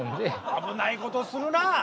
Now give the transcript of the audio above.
危ないことするな。